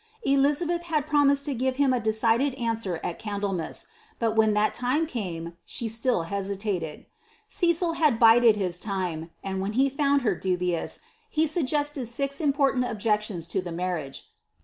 Elizabeth had promised to gin him a decided answer at Candlema^i ; but when that time came, she stil hesilated. Cecil had bided his time ; and when he found her dubiow he suggested six important objections to the marriage.